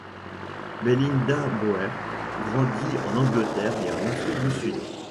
Belinda Bauer grandit en Angleterre et en Afrique du Sud.